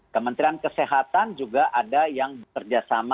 kementerian kesehatan juga ada yang bekerjasama